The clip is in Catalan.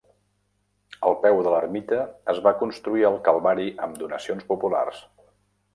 Al peu de l'ermita es va construir el calvari amb donacions populars.